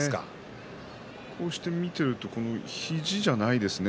見ていると肘じゃないですね。